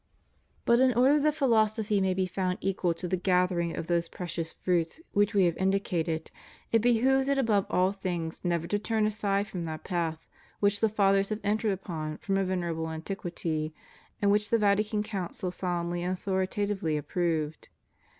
"' But in order that philosophy may be found equal to the gathering of those precious fruits which we have indicated, it behooves it above all things never to turn aside from that path which the Fathers have entered upon from a venerable antiquity, and which the Vatican Council solemnly and authoritatively approved.